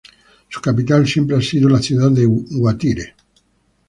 Su capital siempre ha sido la ciudad de Guatire.